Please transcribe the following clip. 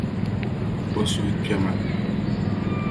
O suhu kpema.